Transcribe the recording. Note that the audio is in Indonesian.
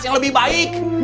yang lebih baik